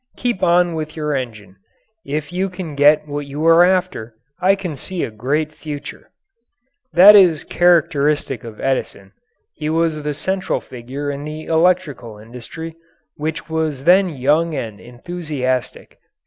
Keep on with your engine. If you can get what you are after, I can see a great future. That is characteristic of Edison. He was the central figure in the electrical industry, which was then young and enthusiastic.